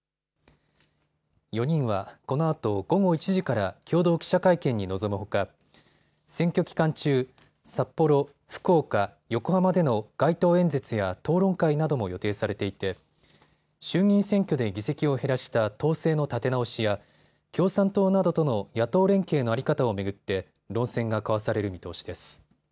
４人はこのあと午後１時から共同記者会見に臨むほか選挙期間中、札幌、福岡、横浜での街頭演説や討論会なども予定されていて衆議院選挙で議席を減らした党勢の立て直しや共産党などとの野党連携の在り方を巡って論戦が交わされる見通しです。